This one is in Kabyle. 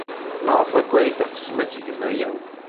Maɣef akk ay teɣsem ad tgem aya?